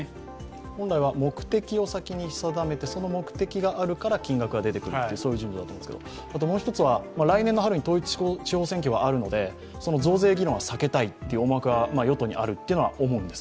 本来は目的を先に定めてその目的があるから金額が出てくるという順序だと思うんですけどもう一つは、来年の春に統一地方選挙がありますのでその増税議論は避けたいという思惑が与党にあるというのは思うんです。